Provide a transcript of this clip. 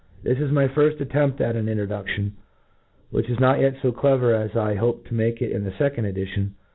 This is my firft attempt at an in troduction, which is not yet fo clever as I hope to make it in the fccond edition.